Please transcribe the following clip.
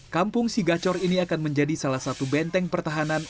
kampung sigacor ini akan menjadi salah satu benteng pertahanan